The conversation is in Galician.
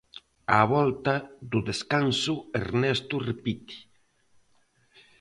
Á volta do descanso Ernesto repite.